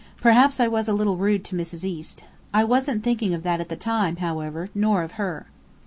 Perhaps I was a little rude to Mrs. East. I wasn't thinking of that at the time, however, nor of her.